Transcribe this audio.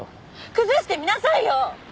崩してみなさいよ！